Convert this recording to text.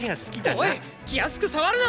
おい気やすく触るな！